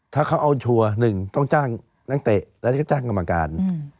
ถ้าเขาเอาชัวร์หนึ่งต้องจ้างนักเตะแล้วก็จ้างกรรมการ